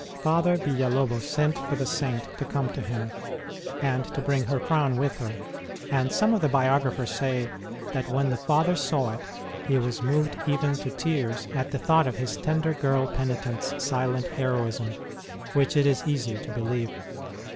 Father Villalobos sent for the Saint to come to him, and to bring her crown with her . and some of the biographers say that when the Father saw it he was moved even to tears at the OF THE SAINT S INCREASED PENANCES 139 thought of his tender girl penitent s silent heroism which it is easy to believe.